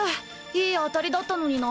いいあたりだったのにな。